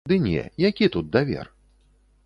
Ды не, які тут давер?